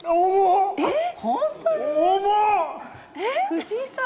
藤井さん